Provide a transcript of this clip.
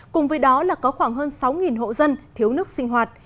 cùng với đó là có khoảng hơn sáu hộ dân thiếu nước sinh hoạt